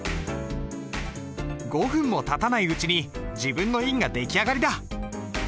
５分もたたないうちに自分の印が出来上がりだ。